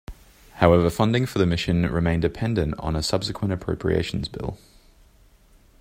However funding for the mission remained dependent on a subsequent appropriations bill.